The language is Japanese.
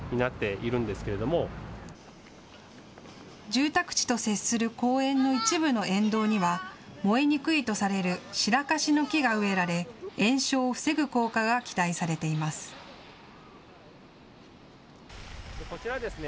住宅地と接する公園の一部の沿道には燃えにくいとされるシラカシの木が植えられ、延焼を防ぐ効果が期待されています。